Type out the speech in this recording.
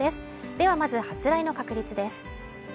ではまず発雷の確率です。